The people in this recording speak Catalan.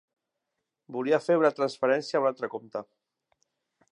Volia fer una transferència a un altre compte.